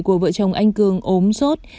của vợ chồng anh cường ốm sốt